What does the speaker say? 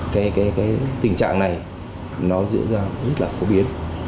cái cái cái tình trạng này nó diễn ra rất là khó biến